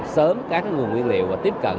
sớm các nguồn nguyên liệu và tiếp cận